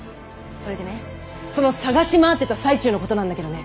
それでねその探し回ってた最中のことなんだけどね。